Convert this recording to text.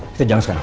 kita jalan sekarang